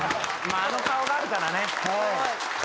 あの顔があるからね。